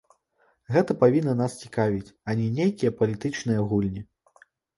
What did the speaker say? Гэта павінна нас цікавіць, а не нейкія палітычныя гульні.